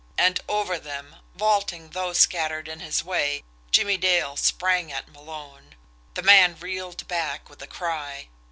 And over them, vaulting those scattered in his way, Jimmie Dale sprang at Malone. The man reeled back, with a cry.